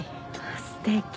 すてき。